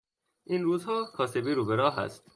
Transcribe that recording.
این روزها کاسبی روبراه است.